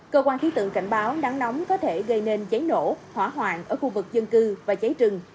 cơ quan khí tượng cảnh báo nắng nóng có thể gây nên cháy nổ hỏa hoạn ở khu vực dân cư và cháy rừng